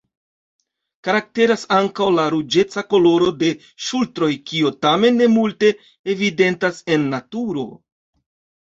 Karakteras ankaŭ la ruĝeca koloro de ŝultroj, kio tamen ne multe evidentas en naturo.